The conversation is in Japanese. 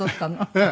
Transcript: ええ。